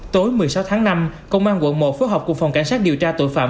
tối một mươi sáu tháng năm công an quận một phối hợp cùng phòng cảnh sát điều tra tội phạm